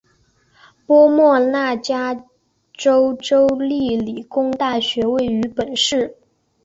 波莫纳加州州立理工大学位于本市。